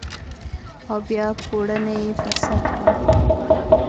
او بیا پوړنی پر سرکړم